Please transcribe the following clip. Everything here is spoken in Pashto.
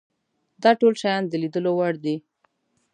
دا ټول شیان د لیدلو وړ دي.